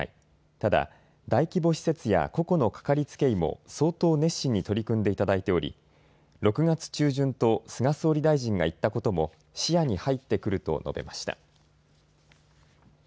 ただ、大規模施設や個々の掛かりつけ医も相当、熱心に取り組んでいただいており６月中旬と菅総理大臣が言ったことも視野に入ってくると述べました。